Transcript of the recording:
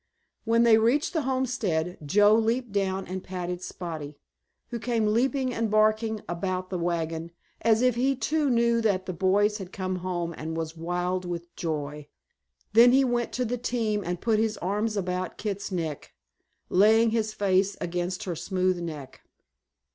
When they reached the homestead Joe leaped down and patted Spotty, who came leaping and barking about the wagon, as if he too knew that the boys had come home and was wild with joy. Then he went to the team and put his arms about Kit's neck, laying his face against her smooth neck.